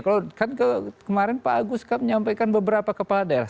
kalau kan kemarin pak agus kan menyampaikan beberapa kepala daerah